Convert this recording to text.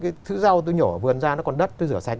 cái thứ rau tôi nhỏ vườn ra nó còn đất tôi rửa sạch